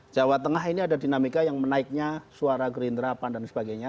jawa tengah ini ada dinamika yang menaiknya suara gerindra pan dan sebagainya